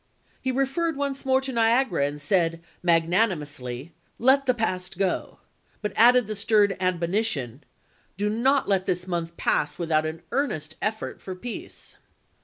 He referred once more to Niagara, and said, magnanimously, "Let the past go "; but added the stern admonition, " Do not let this month pass without an earnest effort for peace."